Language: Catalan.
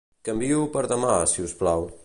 Canvia-ho per demà, siusplau.